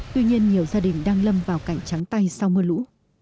tuy nhiên nhiều gia đình đang lâm vào cảnh trắng tay sau mưa lũ